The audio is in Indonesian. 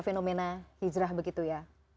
fenomena hijrah begitu ya